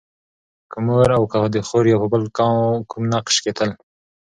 که د مور او که د خور يا په بل کوم نقش کې تل